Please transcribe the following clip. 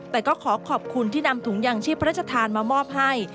แต่ก็ขอขอบคุณที่นำถุงยางชีพพระราชทานมามอบให้